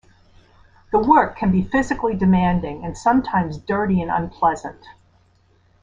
The work can be physically demanding and sometimes dirty and unpleasant.